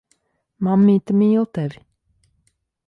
Mammīte mīl tevi.